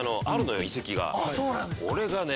あるのよ遺跡が。